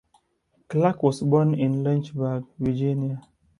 Clark was born in Lynchburg, Virginia.